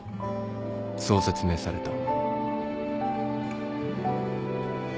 そう説明された